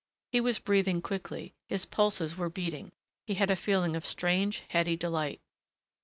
He was breathing quickly; his pulses were beating; he had a feeling of strange, heady delight.